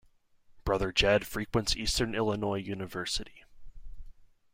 Brother Jed frequents Eastern Illinois University.